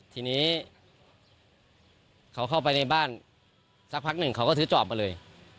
ทีนี้เขาเข้าไปในบ้านสักพักหนึ่งเขาก็ซื้อจอบมาเลย